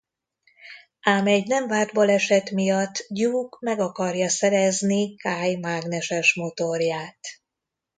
Ám egy nem várt baleset miatt Duke meg akarja szerezni Kay mágneses motorját.